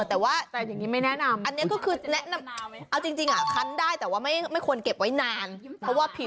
ใช่คุณว่ารสชาติเป็นไง